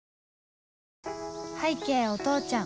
拝啓お父ちゃん